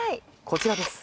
こちらです。